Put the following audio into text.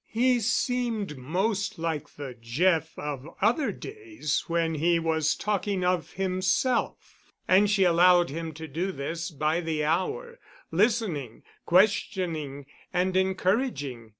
He seemed most like the Jeff of other days when he was talking of himself, and she allowed him to do this by the hour, listening, questioning, and encouraging.